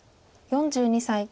４２歳。